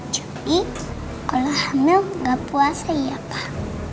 jadi kalau hamil gak puasa iya pak